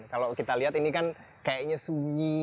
kalau kita lihat ini kan kayaknya sunyi